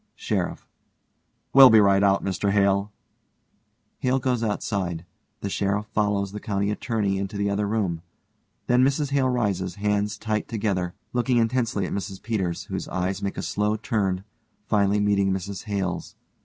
SHERIFF: We'll be right out, Mr Hale. (HALE goes outside. The SHERIFF follows the COUNTY ATTORNEY into the other room. Then MRS HALE rises, hands tight together, looking intensely at MRS PETERS, whose eyes make a slow turn, finally meeting MRS HALE_'s.